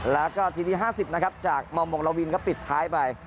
แล้วก็ทีนี้๕๐นะครับจากมมงละวินก็ปิดท้ายไป